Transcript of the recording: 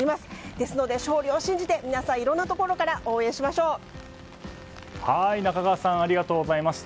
ですので勝利を信じて皆さん、いろんなところから中川さんありがとうございました。